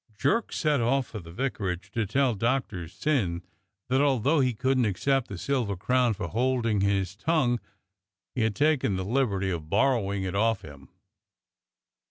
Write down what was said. Jerk set off for the vicarage to tell Doctor Syn that although he couldn't accept the silver crown for holding his tongue, he had taken the liberty of borrowing it off him.